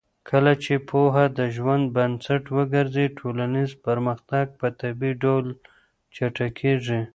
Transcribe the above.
کله چې پوهه د ژوند بنسټ وګرځي، ټولنیز پرمختګ په طبیعي ډول چټکېږي.